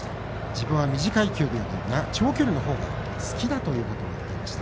自分は短い距離よりも長距離のほうが好きだということを言っていました。